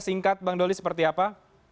singkat bang doli seperti apa